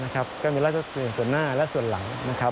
ก็มีราชรสปืนส่วนหน้าและส่วนหลัง